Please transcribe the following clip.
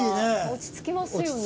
落ち着きますよね。